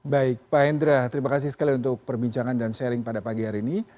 baik pak hendra terima kasih sekali untuk perbincangan dan sharing pada pagi hari ini